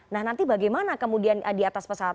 nah nanti bagaimana kemudian di atas pesawat